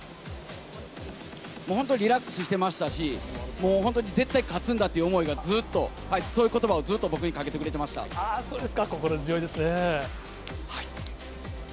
本当、リラックスしてましたし、もう本当に絶対勝つんだっていう思いがずっと、そういうことばをそうですか、心強いですね。